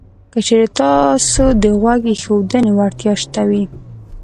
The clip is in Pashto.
که چېرې تاسې کې د غوږ ایښودنې وړتیا شته وي